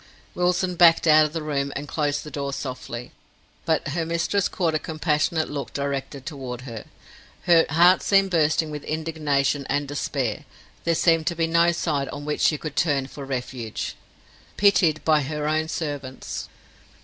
Wilson backed out of the room and closed the door softly, but her mistress caught a compassionate look directed toward her. Her heart seemed bursting with indignation and despair; there seemed to be no side on which she could turn for refuge. Pitied by her own servants!